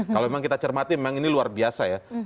kalau memang kita cermati memang ini luar biasa ya